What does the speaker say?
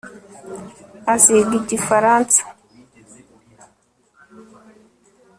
aziga igifaransa